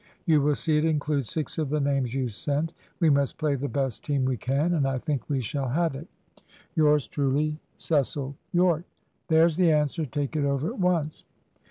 "You will see it includes six of the names you sent. We must play the best team we can; and I think we shall have it. "Yours truly, "Cecil Yorke." "There's the answer. Take it over at once."